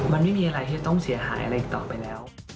มันไม่มีอะไรที่ต้องเสียหายอะไรอีกต่อไปแล้ว